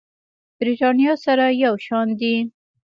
برېتانيا سره یو شان دي.